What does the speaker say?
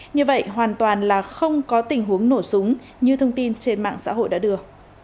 như vậy hoàn toàn là không có tình huống nổ súng như thông tin trên mạng xã hội đã đưa